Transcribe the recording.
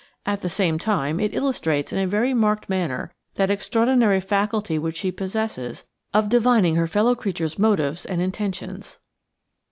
At the same time it illustrates in a very marked manner that extraordinary faculty which she possesses of divining her fellow creatures' motives and intentions.